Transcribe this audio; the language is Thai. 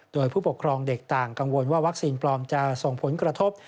โดยผู้ปกครองเด็กต่างกังวลว่าวัคซีนปลอมจะส่งผลกระทบ